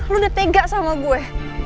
lu udah tega sama gue